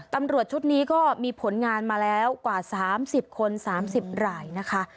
ตำรวจชุดนี้ก็มีผลงานมาแล้วกว่า๓๐คน๓๐รายนะคะ